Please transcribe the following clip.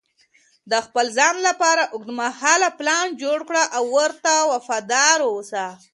د خپل ځان لپاره اوږدمهاله پلان جوړ کړه او ورته وفادار اوسه.